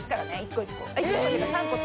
１個、１個。